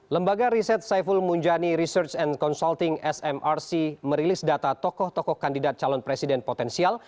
lembaga riset saiful munjani research and consulting smrc merilis data tokoh tokoh kandidat calon presiden potensial